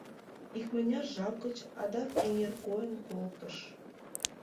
Икмыняр жап гыч адак эҥер койын колтыш.